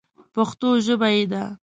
پښتو ژبه یې ده.